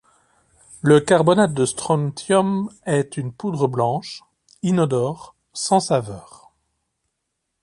Le carbonate de strontium est une poudre blanche, inodore, sans saveur.